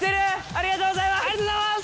ありがとうございます！